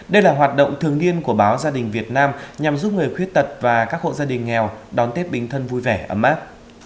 đây là hoạt động thường niên của báo gia đình việt nam nhằm giúp người khuyết tật và các hộ gia đình nghèo đón tết bình thân vui vẻ ấm áp